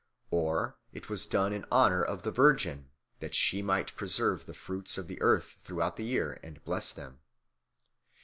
Or it was done in honour of the Virgin, that she might preserve the fruits of the earth throughout the year and bless them.